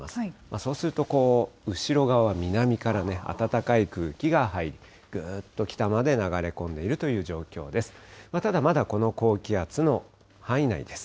そうすると後ろ側は南からね、暖かい空気が入って、ぐっと北まで流れ込んでいるという状況です。